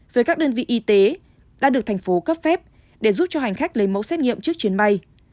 với các đơn vị y tế đã được thành phố cấp phép để giúp cho hành khách lấy mẫu xét nghiệm trước chuyến bay